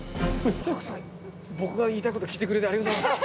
拓さん僕が言いたいこと聞いてくれてありがとうございます。